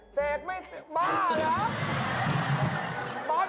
เสกไม่บ้าเหรอ